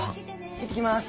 行ってきます。